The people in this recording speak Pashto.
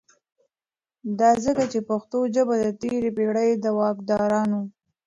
دا ځکه چې پښتو ژبه د تیری پیړۍ دواکدارانو